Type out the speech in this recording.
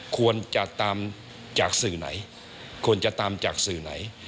ควรจะตามจากสื่อไหนควรจะตามจากสื่อไหน